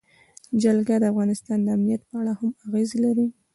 جلګه د افغانستان د امنیت په اړه هم اغېز لري.